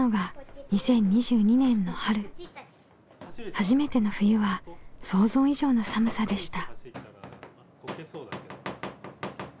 初めての冬は想像以上の寒さでした。